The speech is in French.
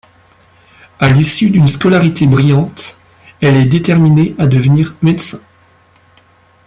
À l'issue d'une scolarité brillante, elle est déterminée à devenir médecin.